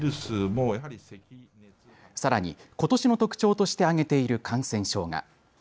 さらにことしの特徴として挙げている感染症が。